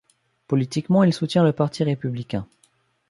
Politiquement, il soutient le Parti républicain.